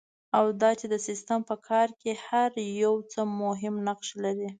او دا چې د سیسټم په کار کې هر یو څه مهم نقش لري.